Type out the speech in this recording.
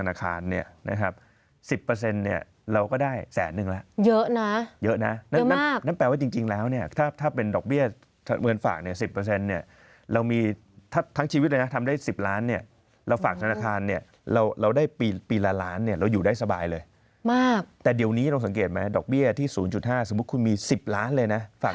ธนาคารเนี่ยนะครับ๑๐เนี่ยเราก็ได้แสนนึงแล้วเยอะนะเยอะนะนั่นแปลว่าจริงแล้วเนี่ยถ้าเป็นดอกเบี้ยเงินฝากเนี่ย๑๐เนี่ยเรามีทั้งชีวิตเลยนะทำได้๑๐ล้านเนี่ยเราฝากธนาคารเนี่ยเราได้ปีละล้านเนี่ยเราอยู่ได้สบายเลยมากแต่เดี๋ยวนี้เราสังเกตไหมดอกเบี้ยที่๐๕สมมุติคุณมี๑๐ล้านเลยนะฝาก